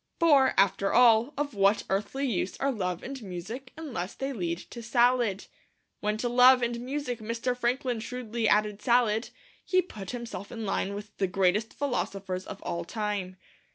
For, after all, of what earthly use are Love and Music unless they lead to Salad? When to Love and Music Mr. Franklin shrewdly added Salad, he put himself in line with the greatest philosophers of all time.